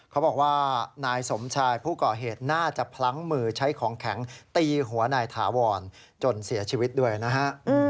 เขาบอกว่านายสมชายผู้ก่อเหตุน่าจะพลั้งมือใช้ของแข็งตีหัวนายถาวรจนเสียชีวิตด้วยนะฮะ